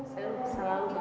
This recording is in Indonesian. saya selalu berdoa